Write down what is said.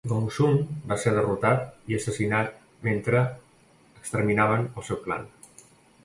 Gongsun va ser derrotat i assassinat mentre exterminaven el seu clan.